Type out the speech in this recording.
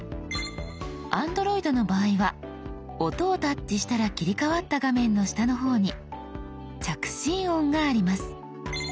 Ａｎｄｒｏｉｄの場合は「音」をタッチしたら切り替わった画面の下の方に「着信音」があります。